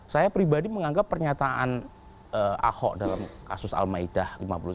saya pribadi menganggap pernyataan ahok dalam kasus al maidah ⁇ lima puluh satu